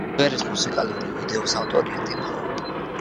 სიმღერის მუსიკალური ვიდეოს ავტორია ტიმ ჰოუპი.